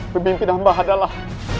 pemimpin ampun adalah